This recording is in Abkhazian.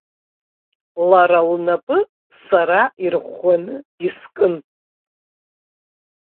Лара лнапы сара ирӷәӷәаны искын.